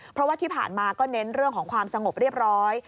เพราะว่าที่ผ่านมาก็เน้นเรื่องของความสงบเรียบร้อย